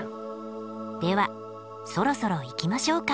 ではそろそろいきましょうか。